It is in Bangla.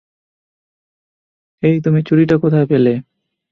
এই, তুমি ছুরিটা কোথায় পেলে?